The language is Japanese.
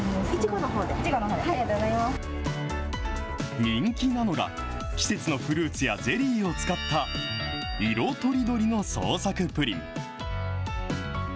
イチゴのほうで、人気なのが、季節のフルーツやゼリーを使った、色とりどりの創作プリン。